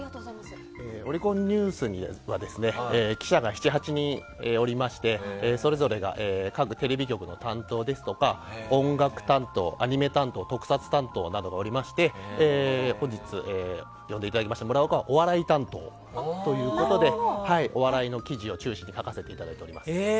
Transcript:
オリコンＮｅｗＳには記者が７８人いましてそれぞれが各テレビ局の担当ですとか音楽担当、アニメ担当特撮担当などがおりまして本日、呼んでいただきました村岡は、お笑い担当ということでお笑いの記事を中心に書かせていただいております。